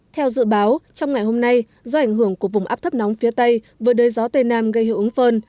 theo dự báo trong ngày hôm nay do ảnh hưởng của vùng áp thấp nóng phía tây vừa đơi gió tây nam gây hữu ứng phơn